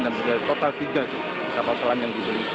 dan sudah total tiga kapal selam yang dibeli